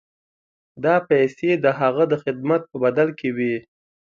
دا پیسې د هغه د خدمت په بدل کې وې.